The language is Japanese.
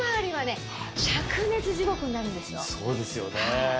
そうですよね。